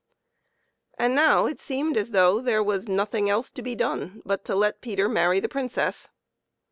And now it seemed as though there was nothing else to be done but to let Peter marry the Princess.